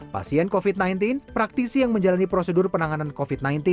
pasien covid sembilan belas praktisi yang menjalani prosedur penanganan covid sembilan belas